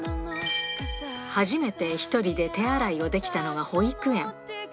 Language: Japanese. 初めて１人で手洗いをできたのが保育園。